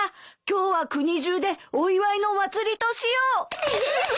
今日は国中でお祝いの祭りとしよう！